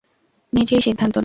নিজেই সিদ্ধান্ত নাও।